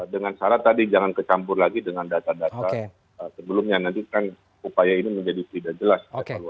dengan syarat tadi jangan kecampur lagi dengan data data sebelumnya nanti kan upaya ini menjadi tidak jelas